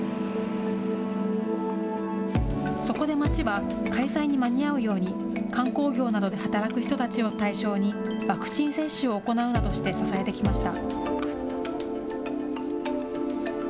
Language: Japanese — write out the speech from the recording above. そこで町は、開催に間に合うように、観光業などで働く人たちを対象に、ワクチン接種を行うなどして支えてきました。